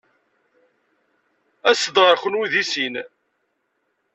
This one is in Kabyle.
Aset-d ɣer kenwi deg sin.